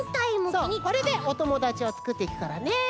そうこれでおともだちをつくっていくからね！